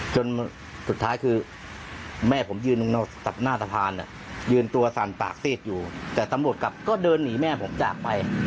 จนสุดท้ายคือแม่ผมยืนตรงหน้าสะพานยืนตัวสั่นปากซีดอยู่แต่ตำรวจกลับก็เดินหนีแม่ผมจากไป